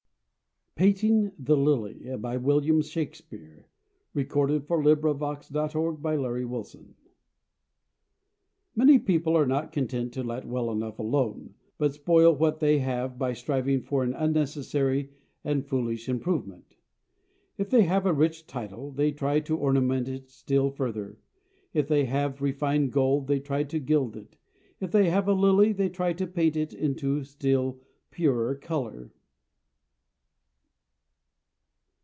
nce the whole world through, But it must begin with you. Joseph Morris. PAINTING THE LILY Many people are not content to let well enough alone, but spoil what they have by striving for an unnecessary and foolish improvement. If they have a rich title, they try to ornament it still further; if they have refined gold, they try to gild it; if they have a lily, they try to paint it into still purer color.